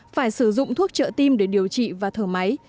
phải sử dụng thuốc trợ tim để điều trị và thở máy